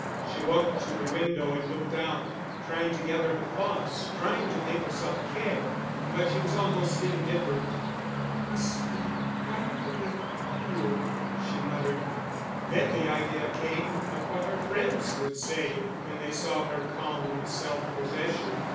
She walked to the window and looked out, trying to gather her thoughts, trying to make herself care; but she was almost indifferent. "I must be frightfully cruel," she muttered. Then the idea came of what her friends would say when they saw her calm self possession.